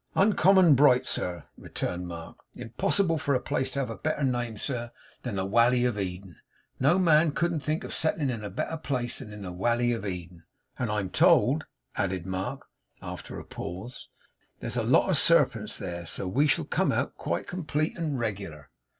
'Uncommon bright, sir,' returned Mark. 'Impossible for a place to have a better name, sir, than the Walley of Eden. No man couldn't think of settling in a better place than the Walley of Eden. And I'm told,' added Mark, after a pause, 'as there's lots of serpents there, so we shall come out, quite complete and reg'lar.